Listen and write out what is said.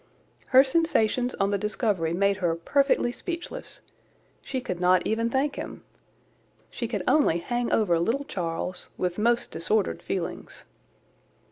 Her sensations on the discovery made her perfectly speechless. She could not even thank him. She could only hang over little Charles, with most disordered feelings.